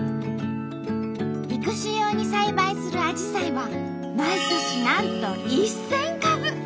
育種用に栽培するアジサイは毎年なんと１，０００株。